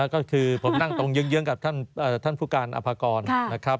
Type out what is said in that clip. ก็คือผมนั่งตรงเยื้องกับท่านผู้การอภากรนะครับ